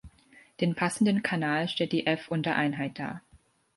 Den passenden Kanal stellt die F-Untereinheit dar.